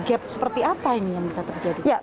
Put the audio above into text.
gap seperti apa ini yang bisa terjadi